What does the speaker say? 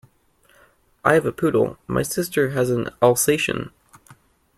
I have a poodle, my sister has an Alsatian